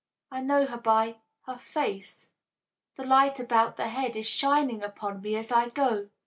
"I know her by her face. The light about the head is shining upon me as I go."